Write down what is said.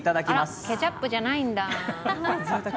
あら、ケチャップじゃないんだ。